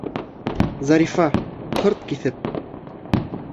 Зарифа, ҡырт киҫеп: